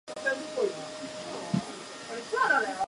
家に帰りたい。